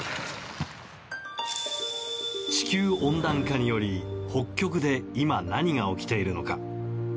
地球温暖化により北極で今、何が起きているのか。